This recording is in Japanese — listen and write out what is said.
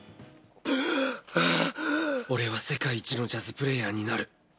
俺は世界一のジャズプレーヤ